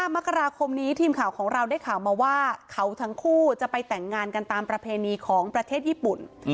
มกราคมนี้ทีมข่าวของเราได้ข่าวมาว่าเขาทั้งคู่จะไปแต่งงานกันตามประเพณีของประเทศญี่ปุ่น